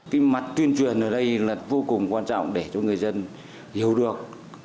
cái mặt tuyên truyền ở đây là vô cùng quan trọng để cho người dân hiểu được